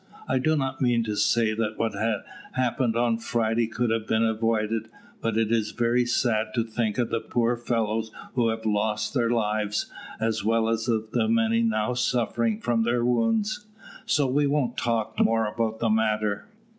I do not mean to say that what happened on Friday could have been avoided, but it is very sad to think of the poor fellows who have lost their lives, as well as of the many now suffering from their wounds; so we won't talk more about the matter."